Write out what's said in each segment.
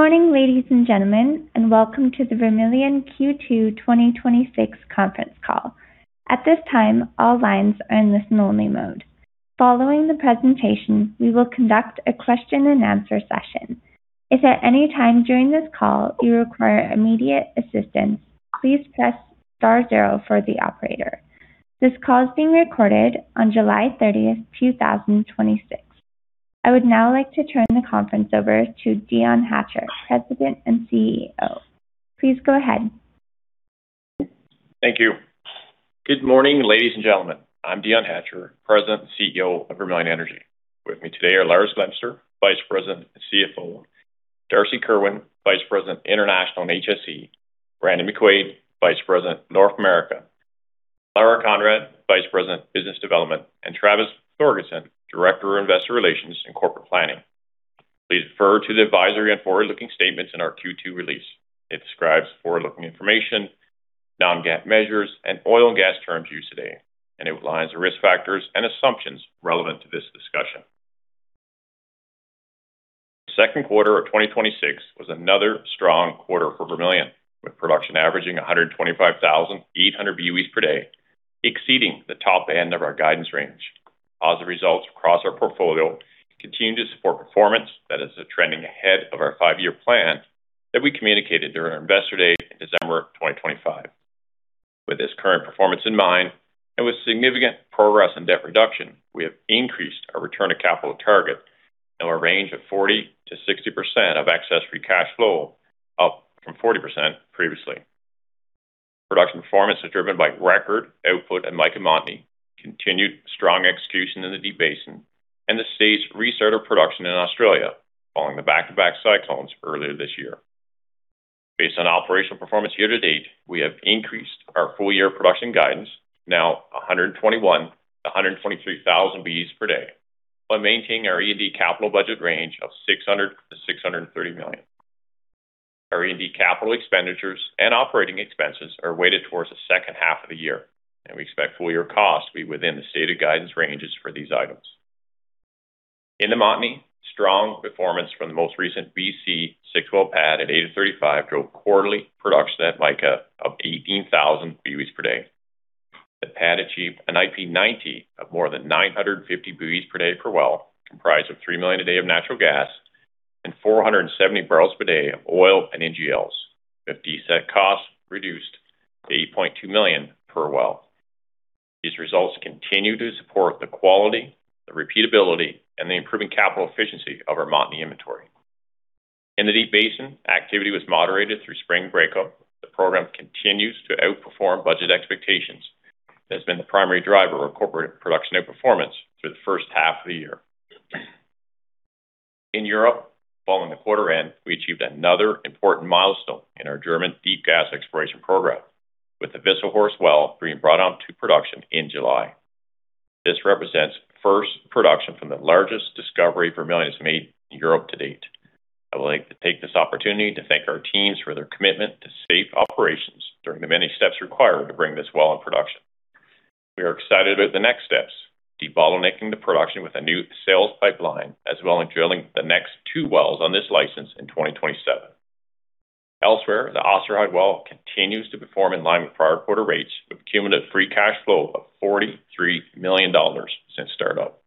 Good morning, ladies and gentlemen, and welcome to the Vermilion Q2 2026 Conference Call. At this time, all lines are in listen only mode. Following the presentation, we will conduct a question and answer session. If at any time during this call you require immediate assistance, please press star zero for the operator. This call is being recorded on July 30th, 2026. I would now like to turn the conference over to Dion Hatcher, President and CEO. Please go ahead. Thank you. Good morning, ladies and gentlemen. I'm Dion Hatcher, President and CEO of Vermilion Energy. With me today are Lars Glemser, Vice President and CFO, Darcy Kerwin, Vice President, International and HSE, Brandon McQuaig, Vice President, North America, Lara Conrad, Vice President, Business Development, and Travis Thorgeirson, Director of Investor Relations and Corporate Planning. Please refer to the advisory on forward-looking statements in our Q2 release. It describes forward-looking information, non-GAAP measures, and oil and gas terms used today. It outlines the risk factors and assumptions relevant to this discussion. Second quarter of 2026 was another strong quarter for Vermilion, with production averaging 125,800 BOEs per day, exceeding the top-end of our guidance range. Positive results across our portfolio continue to support performance that is trending ahead of our five-year plan that we communicated during our Investor Day in December of 2025. With this current performance in mind, with significant progress in debt reduction, we have increased our return on capital target in a range of 40%-60% of excess free cash flow, up from 40% previously. Production performance is driven by record output at Mica Montney, continued strong execution in the Deep Basin, and the stage restart of production in Australia following the back-to-back cyclones earlier this year. Based on operational performance year-to-date, we have increased our full-year production guidance, now 121,000-123,000 BOEs per day, while maintaining our E&D capital budget range of 600 million-630 million. Our E&D capital expenditures and operating expenses are weighted towards the second half of the year. We expect full year costs to be within the stated guidance ranges for these items. In the Montney, strong performance from the most recent BC six-well pad at 8035 drove quarterly production at Mica of 18,000 BOEs per day. The pad achieved an IP90 of more than 950 BOEs per day per well, comprised of 3 million a day of natural gas and 470 bpd of oil and NGLs, with DC cost reduced to 8.2 million per well. These results continue to support the quality, the repeatability, and the improving capital efficiency of our Montney inventory. In the Deep Basin, activity was moderated through spring breakup. The program continues to outperform budget expectations. This has been the primary driver of corporate production outperformance through the first half of the year. In Europe, following the quarter end, we achieved another important milestone in our German deep gas exploration program, with the Wisselshorst well being brought on to production in July. This represents the first production from the largest discovery Vermilion has made in Europe to date. I would like to take this opportunity to thank our teams for their commitment to safe operations during the many steps required to bring this well in production. We are excited about the next steps, debottlenecking the production with a new sales pipeline, as well as drilling the next two wells on this license in 2027. Elsewhere, the Osterheide well continues to perform in line with prior quarter rates, with cumulative free cash flow of 43 million dollars since startup.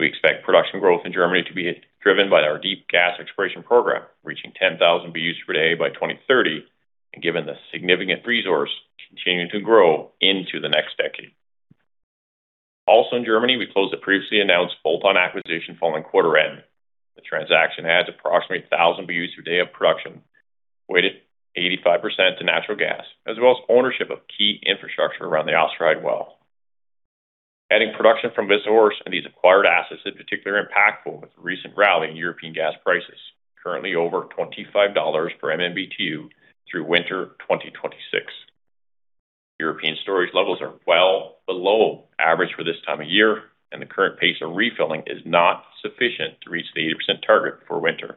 We expect production growth in Germany to be driven by our deep gas exploration program, reaching 10,000 BOEs per day by 2030, given the significant resource continuing to grow into the next decade. Also in Germany, we closed the previously announced bolt-on acquisition following quarter end. The transaction adds approximately 1,000 BOEs per day of production, weighted 85% to natural gas, as well as ownership of key infrastructure around the Osterheide well. Adding production from Wisselshorst and these acquired assets is particularly impactful with the recent rally in European gas prices, currently over 25 dollars per MMBtu through winter 2026. European storage levels are well below average for this time of year. The current pace of refilling is not sufficient to reach the 80% target before winter.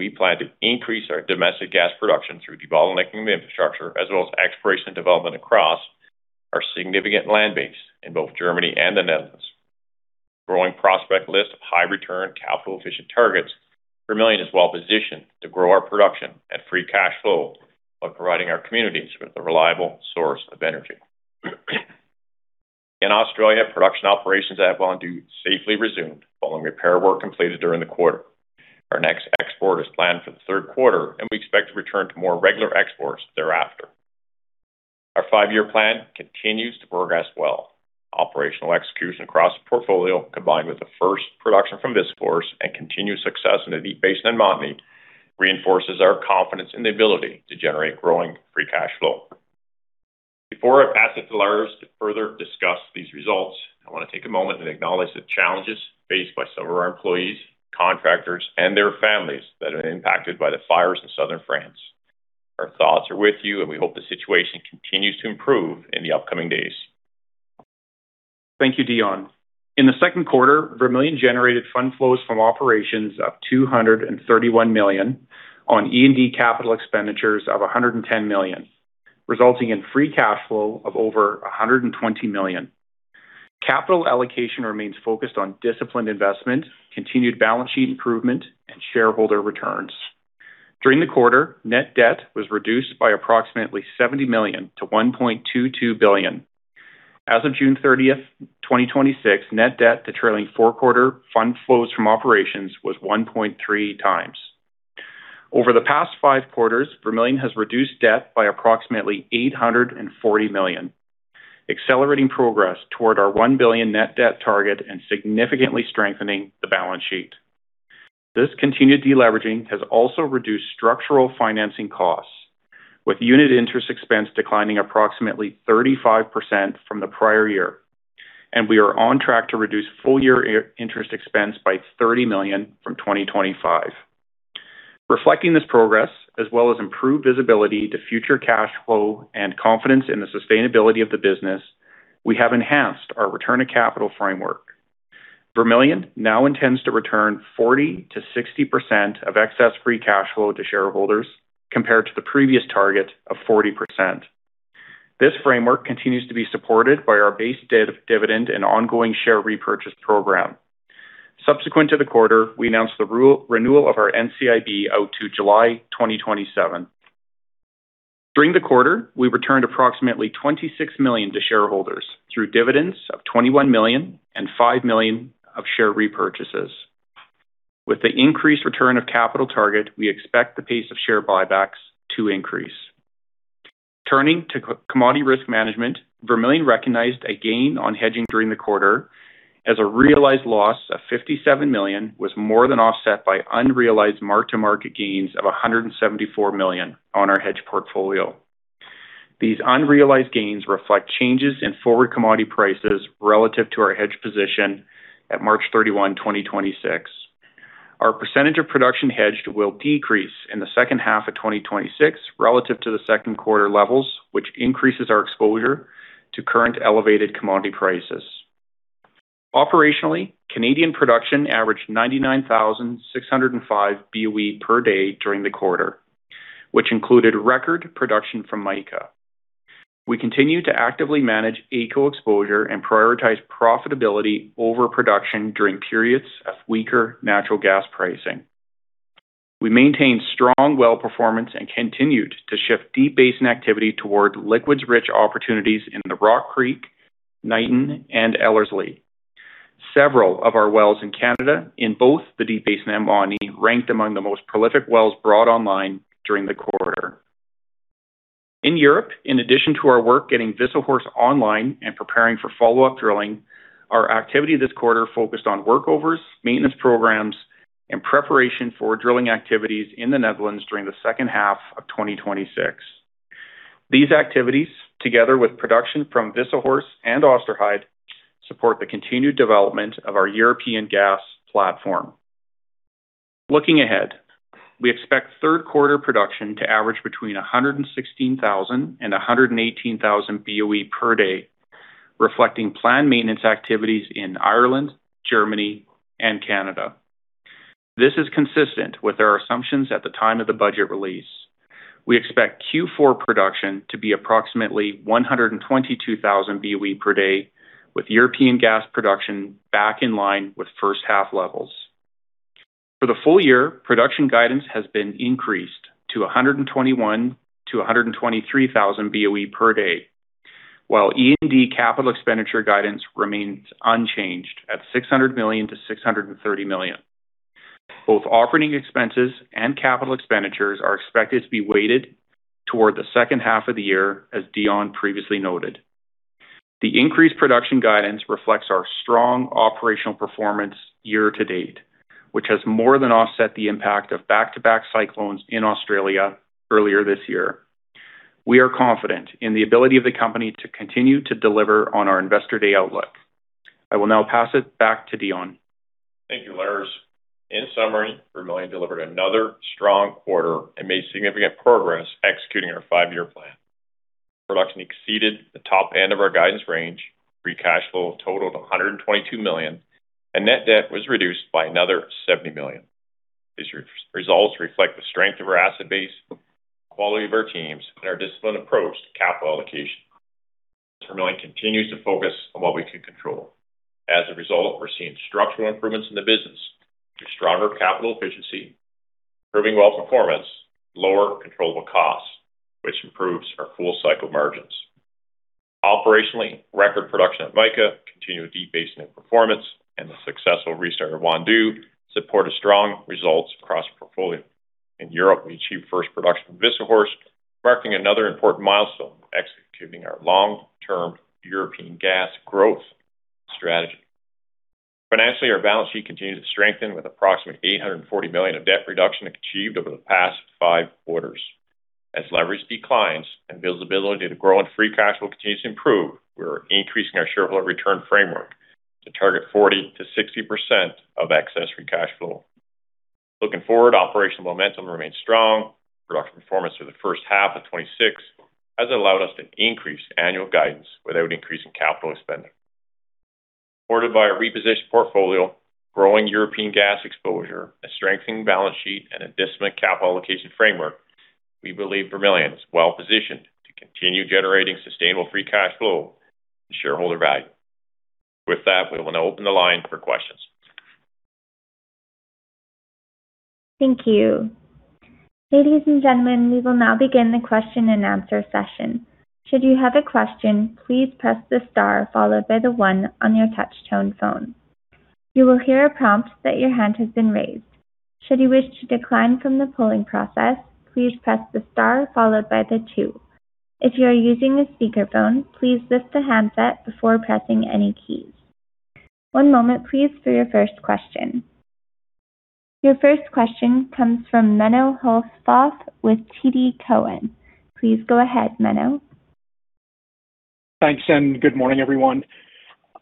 We plan to increase our domestic gas production through debottlenecking the infrastructure as well as exploration development across our significant land base in both Germany and the Netherlands. With a growing prospect list of high return capital-efficient targets, Vermilion is well positioned to grow our production and free cash flow while providing our communities with a reliable source of energy. In Australia, production operations at Wandoo safely resumed following repair work completed during the quarter. Our next export is planned for the third quarter. We expect to return to more regular exports thereafter. Our five-year plan continues to progress well. Operational execution across the portfolio, combined with the first production from Wisselshorst and continued success in the Deep Basin and Montney, reinforces our confidence in the ability to generate growing free cash flow. Before I pass it to Lars to further discuss these results, I want to take a moment and acknowledge the challenges faced by several of our employees, contractors, and their families that have been impacted by the fires in Southern France. Our thoughts are with you. We hope the situation continues to improve in the upcoming days. Thank you, Dion. In the second quarter, Vermilion generated fund flows from operations of 231 million on E&D capital expenditures of 110 million, resulting in free cash flow of over 120 million. Capital allocation remains focused on disciplined investment, continued balance sheet improvement, and shareholder returns. During the quarter, net debt was reduced by approximately 70 million to 1.22 billion. As of June 30th, 2026, net debt to trailing four-quarter fund flows from operations was 1.3x. Over the past five quarters, Vermilion has reduced debt by approximately 840 million, accelerating progress toward our 1 billion net debt target and significantly strengthening the balance sheet. This continued de-leveraging has also reduced structural financing costs, with unit interest expense declining approximately 35% from the prior-year. We are on track to reduce full-year interest expense by 30 million from 2025. Reflecting this progress, as well as improved visibility to future cash flow and confidence in the sustainability of the business, we have enhanced our return to capital framework. Vermilion now intends to return 40%-60% of excess free cash flow to shareholders compared to the previous target of 40%. This framework continues to be supported by our base dividend and ongoing share repurchase program. Subsequent to the quarter, we announced the renewal of our NCIB out to July 2027. During the quarter, we returned approximately 26 million to shareholders through dividends of 21 million and 5 million of share repurchases. With the increased return of capital target, we expect the pace of share buybacks to increase. Turning to commodity risk management, Vermilion recognized a gain on hedging during the quarter as a realized loss of 57 million was more than offset by unrealized mark-to-market gains of 174 million on our hedge portfolio. These unrealized gains reflect changes in forward commodity prices relative to our hedge position at March 31, 2026. Our percentage of production hedged will decrease in the second half of 2026 relative to the second quarter levels, which increases our exposure to current elevated commodity prices. Operationally, Canadian production averaged 99,605 BOE per day during the quarter, which included record production from Mica. We continue to actively manage AECO exposure and prioritize profitability over production during periods of weaker natural gas pricing. We maintained strong well performance and continued to shift Deep Basin activity toward liquids-rich opportunities in the Rock Creek, Niton, and Ellerslie. Several of our wells in Canada, in both the Deep Basin and Montney, ranked among the most prolific wells brought online during the quarter. In Europe, in addition to our work getting Wisselshorst online and preparing for follow-up drilling, our activity this quarter focused on workovers, maintenance programs, and preparation for drilling activities in the Netherlands during the second half of 2026. These activities, together with production from Wisselshorst and Osterheide, support the continued development of our European gas platform. Looking ahead, we expect third quarter production to average between 116,000 and 118,000 BOE per day, reflecting planned maintenance activities in Ireland, Germany, and Canada. This is consistent with our assumptions at the time of the budget release. We expect Q4 production to be approximately 122,000 BOE per day, with European gas production back in line with first half levels. For the full-year, production guidance has been increased to 121,000-123,000 BOE per day, while E&D capital expenditure guidance remains unchanged at 600 million-630 million. Both operating expenses and capital expenditures are expected to be weighted toward the second half of the year, as Dion previously noted. The increased production guidance reflects our strong operational performance year-to-date, which has more than offset the impact of back-to-back cyclones in Australia earlier this year. We are confident in the ability of the company to continue to deliver on our Investor Day outlook. I will now pass it back to Dion. Thank you, Lars. In summary, Vermilion delivered another strong quarter and made significant progress executing our five-year plan. Production exceeded the top-end of our guidance range, free cash flow totaled 122 million, and net debt was reduced by another 70 million. These results reflect the strength of our asset base, the quality of our teams, and our disciplined approach to capital allocation. Vermilion continues to focus on what we can control. As a result, we're seeing structural improvements in the business through stronger capital efficiency, improving well performance, and lower controllable costs, which improves our full-cycle margins. Operationally, record production at Mica continued Deep Basin in performance and the successful restart of Wandoo support strong results across the portfolio. In Europe, we achieved first production of Wisselshorst, marking another important milestone in executing our long-term European gas growth strategy. Financially, our balance sheet continues to strengthen with approximately 840 million of debt reduction achieved over the past five quarters. As leverage declines and visibility to growing free cash flow continues to improve, we're increasing our shareholder return framework to target 40%-60% of excess free cash flow. Looking forward, operational momentum remains strong. Production performance for the first half of 2026 has allowed us to increase annual guidance without increasing capital expenditure. Supported by a repositioned portfolio, growing European gas exposure, a strengthening balance sheet, and a disciplined capital allocation framework We believe Vermilion is well positioned to continue generating sustainable free cash flow and shareholder value. With that, we will now open the line for questions. Thank you. Ladies and gentlemen, we will now begin the question and answer session. Should you have a question, please press the star followed by the one on your touch tone phone. You will hear a prompt that your hand has been raised. Should you wish to decline from the polling process, please press the star followed by the two. If you are using a speakerphone, please lift the handset before pressing any keys. One moment please, for your first question. Your first question comes from Menno Hulshof with TD Cowen. Please go ahead, Menno. Thanks, and good morning, everyone.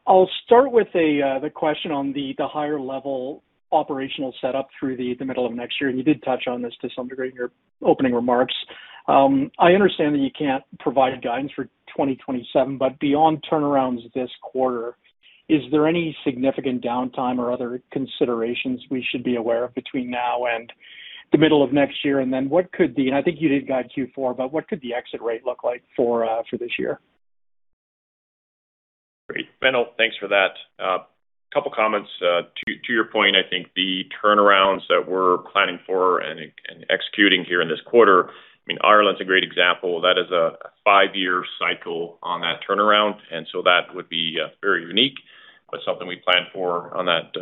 I'll start with the question on the higher level operational setup through the middle of next year, and you did touch on this to some degree in your opening remarks. I understand that you can't provide guidance for 2027, but beyond turnarounds this quarter, is there any significant downtime or other considerations we should be aware of between now and the middle of next year? And I think you did guide Q4, but what could the exit rate look like for this year? Great, Menno. Thanks for that. A couple of comments. To your point, I think the turnarounds that we're planning for and executing here in this quarter, Ireland's a great example. That is a five-year cycle on that turnaround, that would be very unique, but something we plan for on that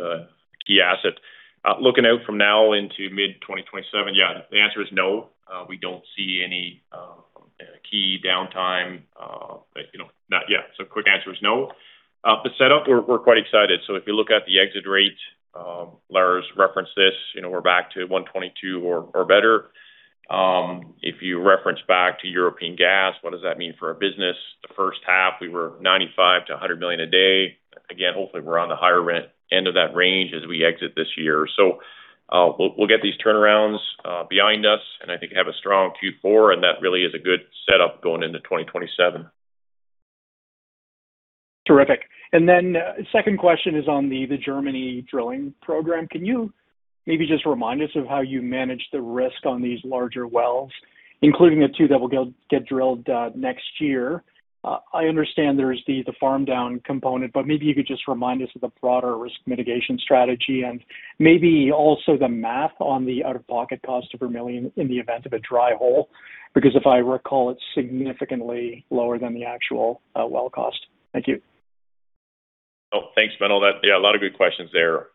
key asset. Looking out from now into mid-2027, the answer is no. We don't see any key downtime. Quick answer is no. The setup, we're quite excited. If you look at the exit rate, Lars's referenced this, we're back to 122 or better. If you reference back to European gas, what does that mean for our business? The first half, we were 95 million a day-100 million a day. Hopefully, we're on the higher end of that range as we exit this year. We'll get these turnarounds behind us and I think have a strong Q4, and that really is a good setup going into 2027. Terrific. Second question is on the Germany drilling program. Can you maybe just remind us of how you manage the risk on these larger wells, including the two that will get drilled next year? I understand there's the farm down component, maybe you could just remind us of the broader risk mitigation strategy and maybe also the math on the out-of-pocket cost of Vermilion in the event of a dry hole. Because if I recall, it's significantly lower than the actual well cost. Thank you. Thanks, Menno. A lot of good questions there.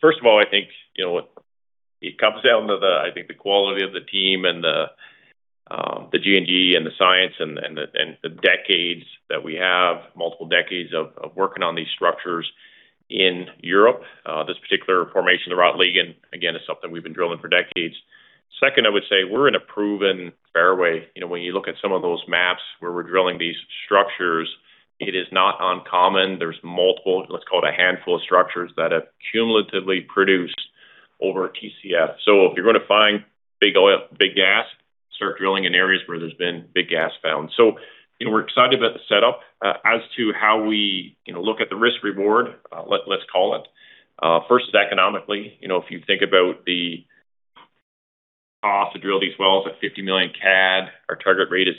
First of all, I think it comes down to the quality of the team and the G&G and the science and the decades that we have, multiple decades of working on these structures in Europe. This particular formation, the Rotliegend, is something we've been drilling for decades. Second, I would say we're in a proven fairway. When you look at some of those maps where we're drilling these structures, it is not uncommon. There's multiple, let's call it, a handful of structures that have cumulatively produced over TCF. If you're going to find big oil, big gas, start drilling in areas where there's been big gas found. We're excited about the setup. As to how we look at the risk-reward, let's call it. First is economically. If you think about the cost to drill these wells at 50 million CAD, our target rate is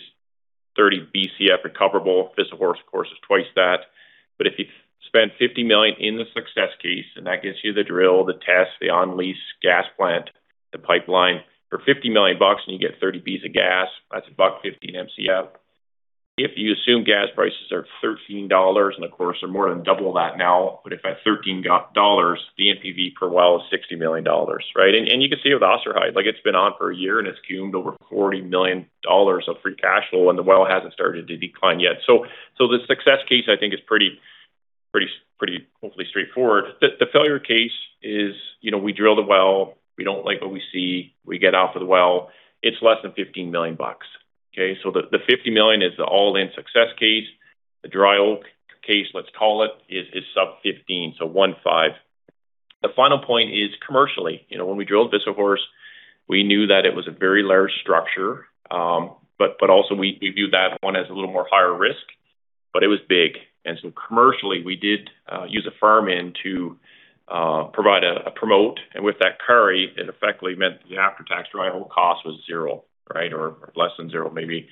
30 BCF recoverable. Wisselshorst, of course, is twice that. If you spend 50 million in the success case, and that gets you the drill, the test, the on-lease gas plant, the pipeline, for 50 million bucks and you get 30 BCF of gas, that's 1.15 MCF. If you assume gas prices are 13 dollars, and of course, they're more than double that now, if at 13 dollars, the NPV per well is 60 million dollars, right? You can see with Osterheide, it's been on for a year and it's cummed over 40 million dollars of free cash flow, and the well hasn't started to decline yet. The success case, I think is pretty, hopefully, straightforward. The failure case is we drill the well, we don't like what we see, we get out of the well, it's less than 15 million bucks. Okay? The 50 million is the all-in success case. The dry hole case, let's call it, is sub 15, so 15. The final point is commercially. When we drilled Wisselshorst, we knew that it was a very large structure, also we viewed that one as a little more higher risk, but it was big. Commercially, we did use a farm in to provide a promote, and with that carry, it effectively meant that the after-tax dry hole cost was zero. Right? Or less than zero, maybe.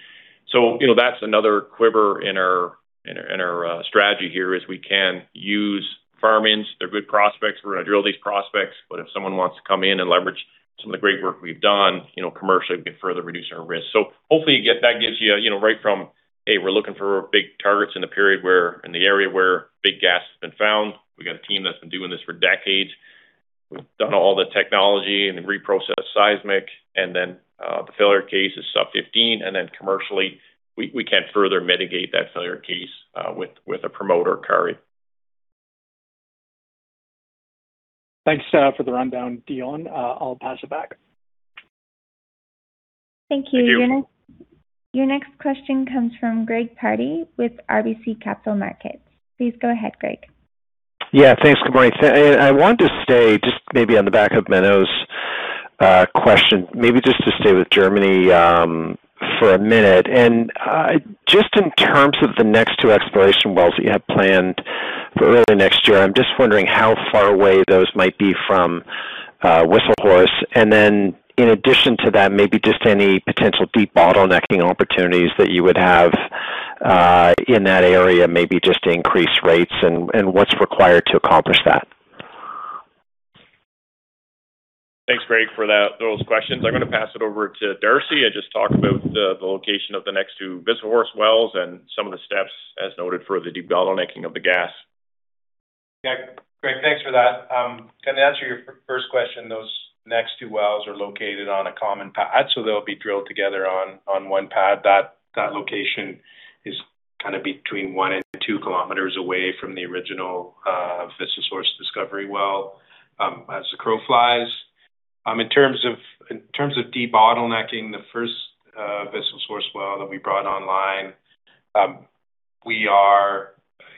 That's another quiver in our strategy here, is we can use farm ins. They're good prospects. We're going to drill these prospects. If someone wants to come in and leverage some of the great work we've done, commercially, we can further reduce our risk. Hopefully, that gives you right from, hey, we're looking for big targets in the area where big gas has been found. We've got a team that's been doing this for decades. We've done all the technology and reprocessed seismic, the failure case is sub 15, commercially, we can further mitigate that failure case with a promoter carry. Thanks for the rundown, Dion. I'll pass it back. Thank you. Thank you. Your next question comes from Greg Pardy with RBC Capital Markets. Please go ahead, Greg. Thanks. Good morning. I want to stay just maybe on the back of Menno's question, maybe just to stay with Germany for a minute. Just in terms of the next two exploration wells that you have planned for early next year, I am just wondering how far away those might be from Wisselshorst. Then in addition to that, maybe just any potential deep bottlenecking opportunities that you would have in that area, maybe just to increase rates and what is required to accomplish that. Thanks, Greg, for those questions. I'm going to pass it over to Darcy to just talk about the location of the next two Wisselshorst wells and some of the steps, as noted, for the de-bottlenecking of the gas. Greg, thanks for that. To answer your first question, those next two wells are located on a common pad, so they'll be drilled together on one pad. That location is between 1 and 2 km away from the original Wisselshorst discovery well, as the crow flies. In terms of de-bottlenecking the first Wisselshorst well that we brought online, we are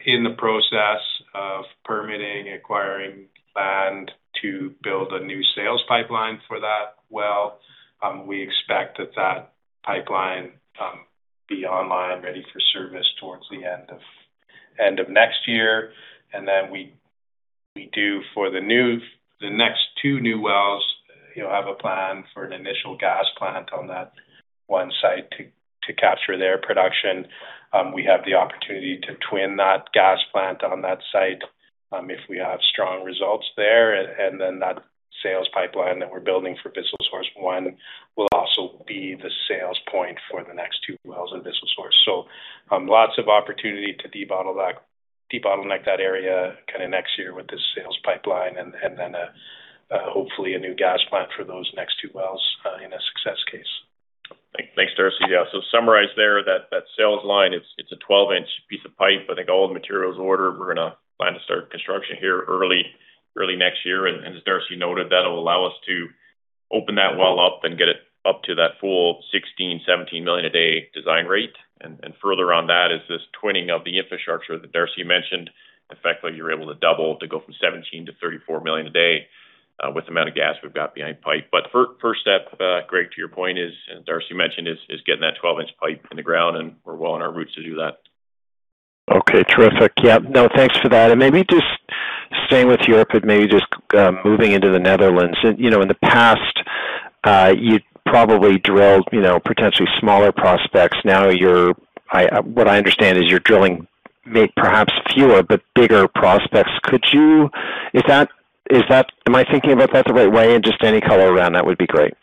in the process of permitting, acquiring land to build a new sales pipeline for that well. We expect that that pipeline be online, ready for service towards the end of next year. We do, for the next two new wells, have a plan for an initial gas plant on that one site to capture their production. We have the opportunity to twin that gas plant on that site if we have strong results there. That sales pipeline that we're building for Wisselshorst 1 will also be the sales point for the next two wells in Wisselshorst. Lots of opportunity to de-bottleneck that area next year with this sales pipeline and then hopefully a new gas plant for those next two wells in a success case. Thanks, Darcy. To summarize there that sales line, it's a 12-inch piece of pipe. I think all the material is ordered. We're going to plan to start construction here early next year. As Darcy noted, that'll allow us to open that well up and get it up to that full 16, 17 million a day design rate. Further on that is this twinning of the infrastructure that Darcy mentioned. Effectively, you're able to double, to go from 17 to 34 million a day with the amount of gas we've got behind pipe. First step, Greg, to your point is, as Darcy mentioned, is getting that 12-inch pipe in the ground, and we're well on our routes to do that. Okay, terrific. Yeah. No, thanks for that. Maybe just staying with Europe, maybe just moving into the Netherlands. In the past, you probably drilled potentially smaller prospects. Now, what I understand is you're drilling maybe perhaps fewer, but bigger prospects. Am I thinking about that the right way? Just any color around that would be great.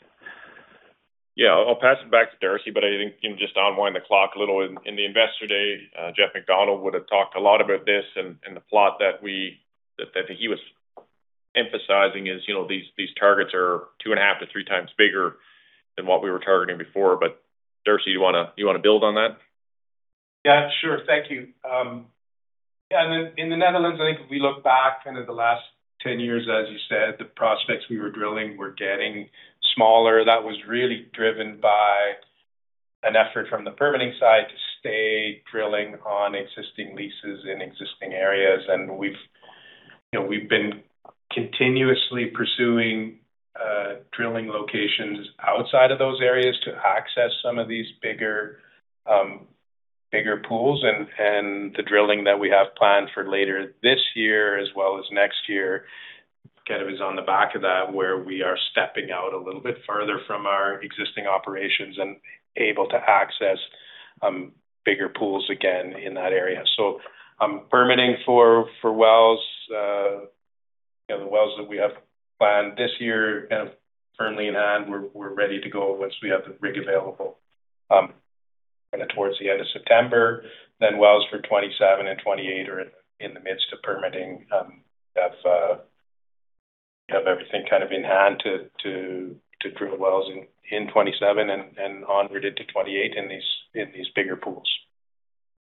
Yeah. I'll pass it back to Darcy. I think you can just unwind the clock a little. In the Investor Day, Geoff MacDonald would have talked a lot about this. The plot that I think he was emphasizing is these targets are 2.5x-3.0x bigger than what we were targeting before. Darcy, you want to build on that? Yeah, sure. Thank you. Yeah, in the Netherlands, I think if we look back the last 10 years, as you said, the prospects we were drilling were getting smaller. That was really driven by an effort from the permitting side to stay drilling on existing leases in existing areas. We've been continuously pursuing drilling locations outside of those areas to access some of these bigger pools. The drilling that we have planned for later this year as well as next year, is on the back of that, where we are stepping out a little bit further from our existing operations and able to access bigger pools again in that area. Permitting for the wells that we have planned this year firmly in hand, we're ready to go once we have the rig available towards the end of September. Wells for 2027 and 2028 are in the midst of permitting. We have everything in hand to drill the wells in 2027 and onward into 2028 in these bigger pools.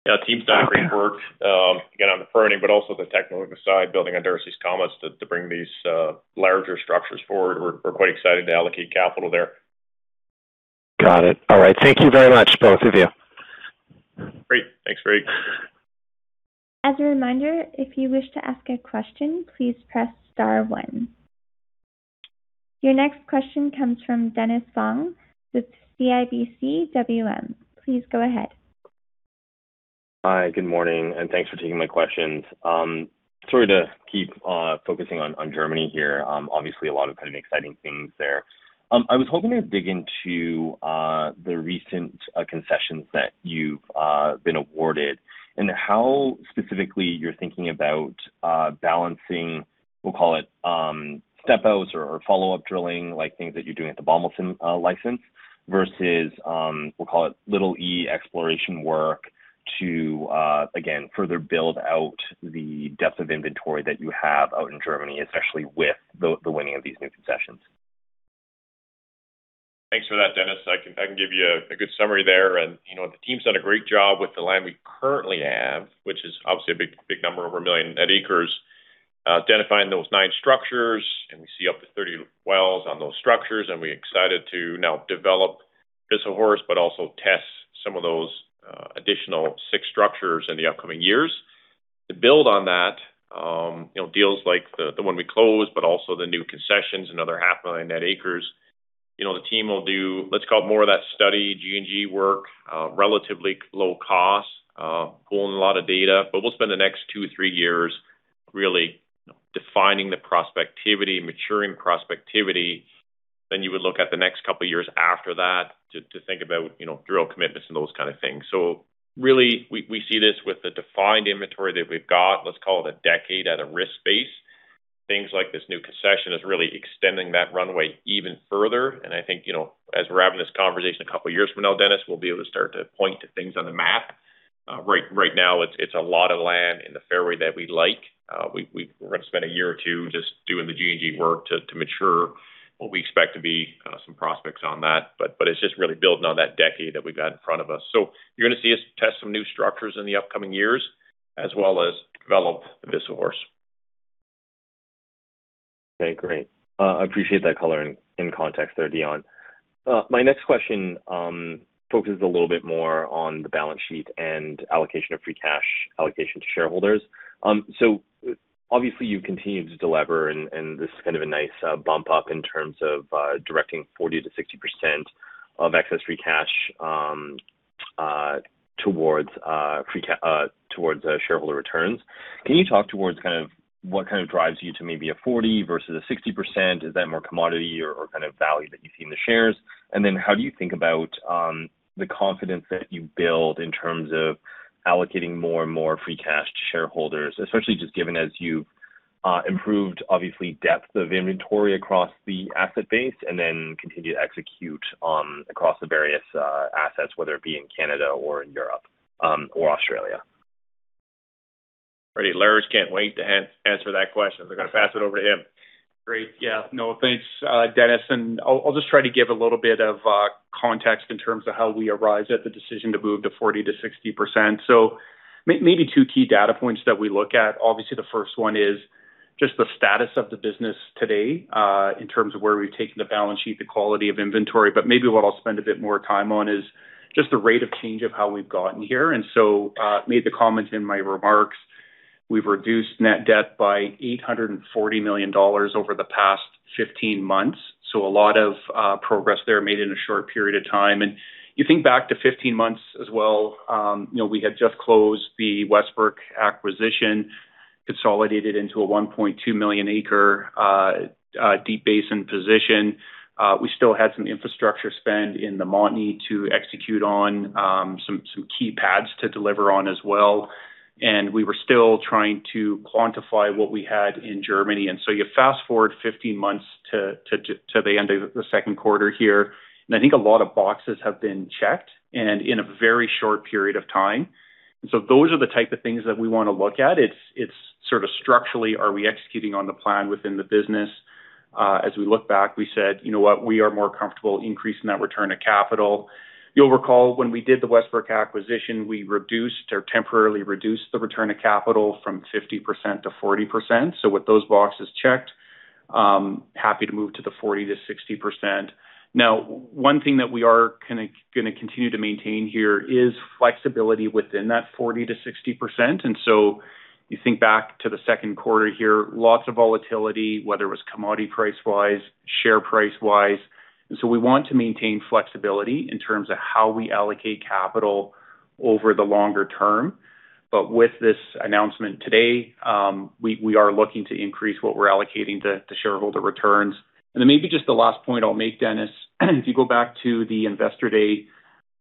Yeah, the team's done great work again on the permitting, also the technical side, building on Darcy's comments, to bring these larger structures forward. We're quite excited to allocate capital there. Got it. All right. Thank you very much, both of you. Great. Thanks, Greg. As a reminder, if you wish to ask a question, please press star one. Your next question comes from Dennis Fong with CIBC WM. Please go ahead. Hi, good morning, and thanks for taking my questions. Sorry to keep focusing on Germany here. Obviously, a lot of kind of exciting things there. I was hoping to dig into the recent concessions that you've been awarded and how specifically you're thinking about balancing, we'll call it step outs or follow-up drilling, like things that you're doing at the Bommelsen license, versus, we'll call it little E exploration work to, again, further build out the depth of inventory that you have out in Germany, especially with the winning of these new concessions. Thanks for that, Dennis. I can give you a good summary there. The team's done a great job with the land we currently have, which is obviously a big number, over 1 million net acres, identifying those nine structures, and we see up to 30 wells on those structures, and we're excited to now develop Wisselshorst, but also test some of those additional six structures in the upcoming years. To build on that, deals like the one we closed, but also the new concessions, another 500,000 net acres. The team will do, let's call it more of that study G&G work, relatively low cost, pulling a lot of data. We'll spend the next two-three years really defining the prospectivity, maturing prospectivity. You would look at the next couple of years after that to think about drill commitments and those kind of things. Really, we see this with the defined inventory that we've got, let's call it a decade at a risk base. Things like this new concession is really extending that runway even further. I think, as we're having this conversation two years from now, Dennis, we'll be able to start to point to things on the map. Right now, it's a lot of land in the fairway that we like. We're going to spend one-two years just doing the G&G work to mature what we expect to be some prospects on that. It's just really building on that decade that we've got in front of us. You're going to see us test some new structures in the upcoming years, as well as develop the Wisselshorst. Okay, great. I appreciate that color and context there, Dion. My next question focuses a little bit more on the balance sheet and allocation of free cash, allocation to shareholders. Obviously, you've continued to delever, and this is kind of a nice bump up in terms of directing 40%-60% of excess free cash towards shareholder returns. Can you talk towards what kind of drives you to maybe a 40% versus a 60%? Is that more commodity or kind of value that you see in the shares? How do you think about the confidence that you build in terms of allocating more and more free cash to shareholders? Especially just given as you've improved, obviously, depth of inventory across the asset base and then continue to execute across the various assets, whether it be in Canada or in Europe, or Australia. Right. Lars can't wait to answer that question. I'm going to pass it over to him. Great. Yeah. No, thanks, Dennis. I'll just try to give a little bit of context in terms of how we arrived at the decision to move to 40%-60%. Maybe two key data points that we look at. Obviously, the first one is just the status of the business today, in terms of where we've taken the balance sheet, the quality of inventory. What I'll spend a bit more time on is just the rate of change of how we've gotten here. Made the comment in my remarks, we've reduced net debt by 840 million dollars over the past 15 months. A lot of progress there made in a short period of time. You think back to 15 months as well, we had just closed the Westbrick acquisition, consolidated into a 1.2 million acres Deep Basin position. We still had some infrastructure spend in the Montney to execute on, some key pads to deliver on as well. We were still trying to quantify what we had in Germany. You fast-forward 15 months to the end of the second quarter here, I think a lot of boxes have been checked in a very short period of time. Those are the type of things that we want to look at. It's sort of structurally, are we executing on the plan within the business? As we look back, we said, "You know what? We are more comfortable increasing that return of capital." You'll recall when we did the Westbrick acquisition, we temporarily reduced the return of capital from 50%-40%. With those boxes checked, happy to move to the 40%-60%. Now, one thing that we are going to continue to maintain here is flexibility within that 40%-60%. You think back to the second quarter here, lots of volatility, whether it was commodity price-wise, share price-wise. We want to maintain flexibility in terms of how we allocate capital over the longer-term. With this announcement today, we are looking to increase what we're allocating to shareholder returns. Then maybe just the last point I'll make, Dennis, if you go back to the Investor Day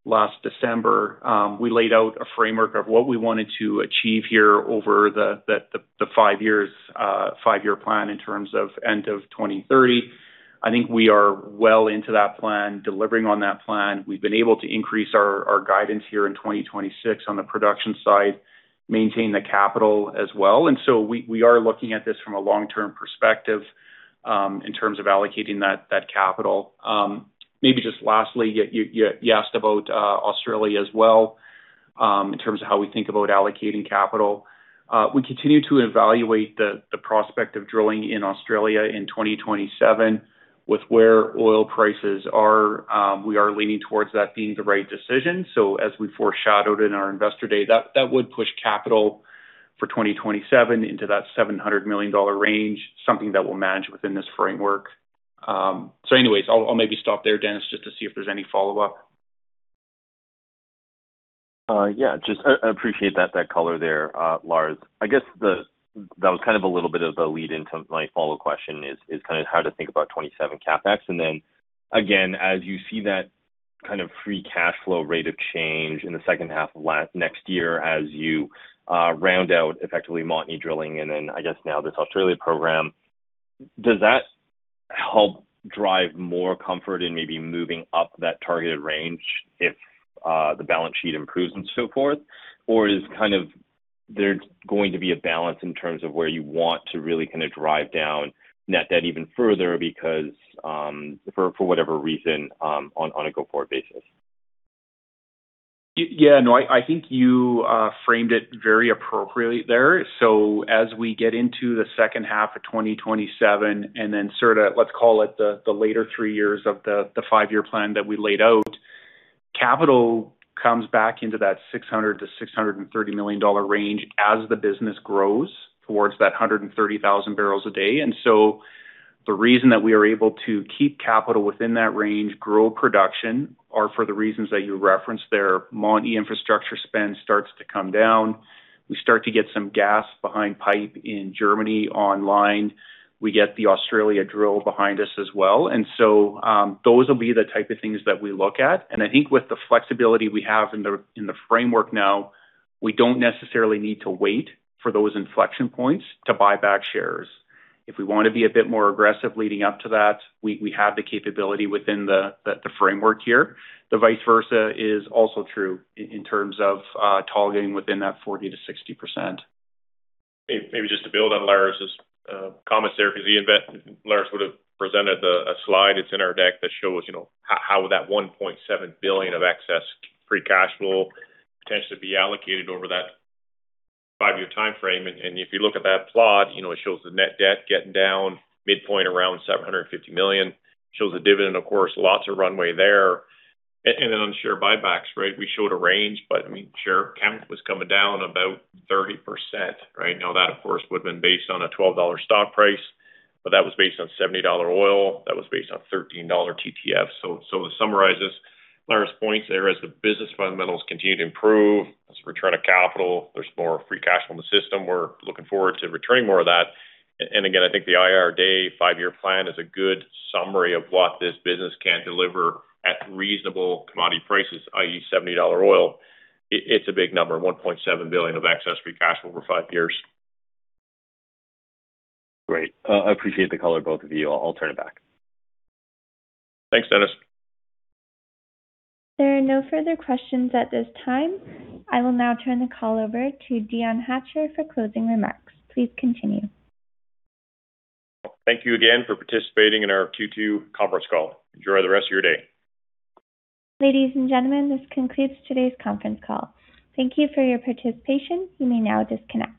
last December, we laid out a framework of what we wanted to achieve here over the five-year plan in terms of end of 2030. I think we are well into that plan, delivering on that plan. We've been able to increase our guidance here in 2026 on the production side, maintain the capital as well. We are looking at this from a long-term perspective, in terms of allocating that capital. Maybe just lastly, you asked about Australia as well, in terms of how we think about allocating capital. We continue to evaluate the prospect of drilling in Australia in 2027. With where oil prices are, we are leaning towards that being the right decision. As we foreshadowed in our Investor Day, that would push capital for 2027 into that 700 million dollar range, something that we'll manage within this framework. Anyways, I'll maybe stop there, Dennis, just to see if there's any follow-up. Yeah. I appreciate that color there, Lars. I guess that was kind of a little bit of a lead into my follow question is kind of how to think about 2027 CapEx. Again, as you see that kind of free cash flow rate of change in the second half of next year as you round out effectively Montney drilling and then I guess now this Australia program, does that help drive more comfort in maybe moving up that targeted range if the balance sheet improves and so forth? Is there going to be a balance in terms of where you want to really drive down net debt even further because, for whatever reason, on a go-forward basis? Yeah, no, I think you framed it very appropriately there. As we get into the second half of 2027 and then sort of, let's call it the later three years of the five-year plan that we laid out Capital comes back into that 600 million-630 million dollar range as the business grows towards that 130,000 bpd. The reason that we are able to keep capital within that range, grow production, are for the reasons that you referenced there. Montney infrastructure spend starts to come down. We start to get some gas behind pipe in Germany online. We get the Australia drill behind us as well. Those will be the type of things that we look at. I think with the flexibility we have in the framework now, we don't necessarily need to wait for those inflection points to buy back shares. If we want to be a bit more aggressive leading up to that, we have the capability within the framework here. The vice versa is also true in terms of targeting within that 40%-60%. Maybe just to build on Lars' comments there, because Lars would have presented a slide, it's in our deck, that shows how that 1.7 billion of excess free cash flow potentially be allocated over that five-year timeframe. If you look at that plot, it shows the net debt getting down midpoint around 750 million. Shows the dividend, of course, lots of runway there. Then on share buybacks, right? We showed a range, but share count was coming down about 30%, right? Now, that, of course, would have been based on a 12 dollar stock price, but that was based on 70 dollar oil, that was based on 13 dollar TTF. To summarize this, Lars' points there as the business fundamentals continue to improve, as we return to capital, there's more free cash on the system. We're looking forward to returning more of that. Again, I think the IR day five-year plan is a good summary of what this business can deliver at reasonable commodity prices, i.e., 70 dollar oil. It's a big number, 1.7 billion of excess free cash flow over five years. Great. I appreciate the color, both of you. I'll turn it back. Thanks, Dennis. There are no further questions at this time. I will now turn the call over to Dion Hatcher for closing remarks. Please continue. Thank you again for participating in our Q2 Conference Call. Enjoy the rest of your day. Ladies and gentlemen, this concludes today's conference call. Thank you for your participation. You may now disconnect.